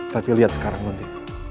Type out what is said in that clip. tapi liat sekarang nondi